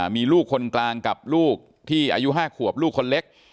มีลูกคนกลางกับลูกที่อายุ๕ขวบลูกคนเล็ก